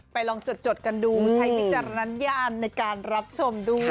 ลองจดกันดูใช้วิจารณญาณในการรับชมด้วย